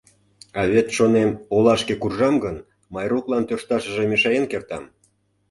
А вет, шонем, олашке куржам гын, Майруклан тӧршташыже мешаен кертам.